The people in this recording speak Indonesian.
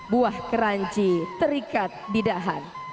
buah kerunci terikat di dahan